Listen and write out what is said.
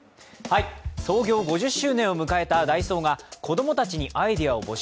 創業５０周年を迎えたダイソーが子供たちにアイデアを募集。